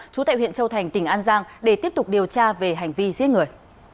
trú tại huyện châu thành tỉnh an giang để tiếp tục điều tra về hành vi giết người